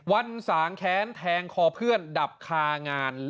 สางแค้นแทงคอเพื่อนดับคางาน